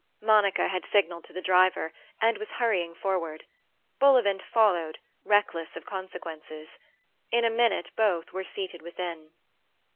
Monica had signalled to the driver, and was hurrying forward. Bullivant followed, reckless of consequences. In a minute both were seated within.